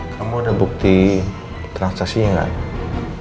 kamu ada bukti transaksinya gak